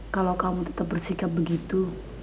kalau kamu tetap bersikap begitu